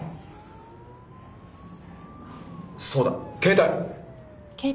そうだ携帯！